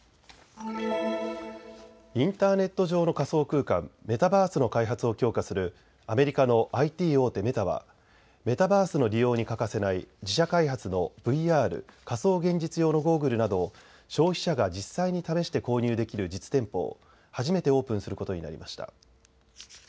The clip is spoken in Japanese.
インターネット上の仮想空間、メタバースの開発を強化するアメリカのＩＴ大手、メタはメタバースの利用に欠かせない自社開発のＶＲ・仮想現実用のゴーグルなどを消費者が実際に試して購入できる実店舗を初めてオープンすることになりました。